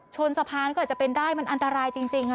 ชนสะพานก็อาจจะเป็นได้มันอันตรายจริงค่ะ